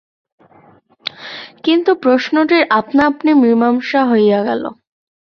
কিন্তু প্রশ্নটির আপনা-আপনি মীমাংসা হইয়া গেল।